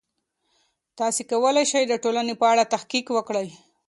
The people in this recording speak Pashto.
تاسې کولای سئ د ټولنې په اړه تحقیق وکړئ.